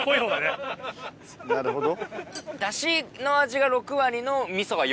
なるほど。